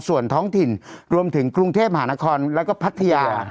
ส่วนท้องถิ่นรวมถึงกรุงเทพมหานครแล้วก็พัทยา